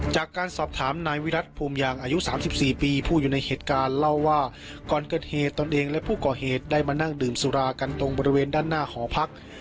จากการสอบถามนายวิรัติภูมิยางอายุ๓๔ปีผู้อยู่ในเหตุการณ์เล่าว่าก่อนเกิดเหตุตนเองและผู้ก่อเหตุได้มานั่งดื่มสุรากันตรงบริเวณด้านหน้าหอพัก